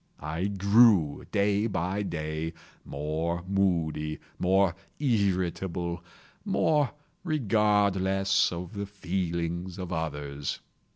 I grew, day by day, more moody, more irritable, more regardless of the feelings of others.